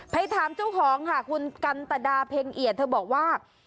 ไปถามเจ้าของค่ะคุณกันตดาเพ็งเอียดเธอบอกว่า